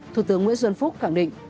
thủ tướng nguyễn xuân phúc khẳng định